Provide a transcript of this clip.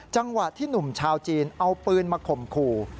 จังหวะที่หนุ่มชาวจีนเอาปืนมาข่มขู่